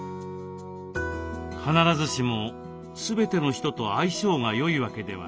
「必ずしも全ての人と相性がよいわけではない」といった考え方